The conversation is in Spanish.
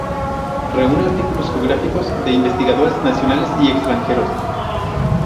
Reúne artículos geográficos de investigadores nacionales y extranjeros.